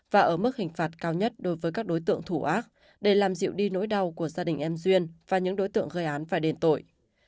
và ở mức hình phạt cao nhất đối với các đối tượng thủ ác để làm dịu đi nỗi đau của gia đình em duyên và những đối tượng gây án và đền tội